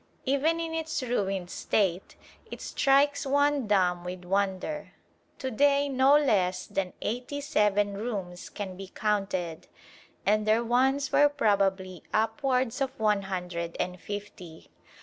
Even in its ruined state it strikes one dumb with wonder. To day no less than eighty seven rooms can be counted, and there once were probably upwards of one hundred and fifty.